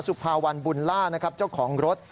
สุภาวันบุญล่านะครับเจ้าของรถ